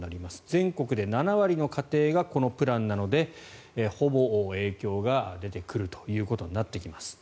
全国で７割の家庭がこのプランなのでほぼ影響が出てくるということになってきます。